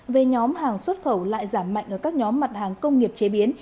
về nhóm hàng xuất khẩu lại giảm mạnh ở các nhóm mặt hàng công nghiệp chế biến